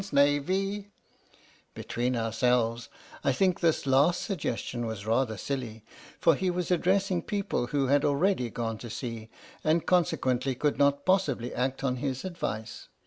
M.S. "PINAFORE" (Between ourselves, I think this last suggestion was rather silly, for he was addressing people who had already gone to sea, and consequently could not possibly act on his advice.